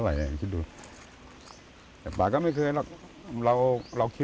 ลูกประมาณเงิน๓๐๔๐บาท